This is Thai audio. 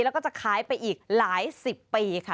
แล้วก็จะขายไปอีกหลายสิบปีค่ะ